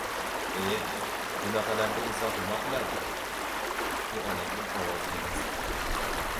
— E, bunaqalarda insof nima qiladi! — Bu onamning ovozi emasdi.